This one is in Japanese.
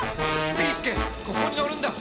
ビーすけここに乗るんだ！